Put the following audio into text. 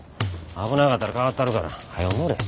危なかったら代わったるからはよ乗れ。